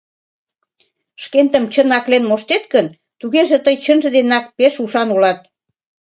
Шкендым чын аклен моштет гын, тугеже тый чынже денак пеш ушан улат.